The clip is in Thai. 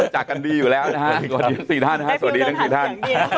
หักสีธานหักสี่ธาน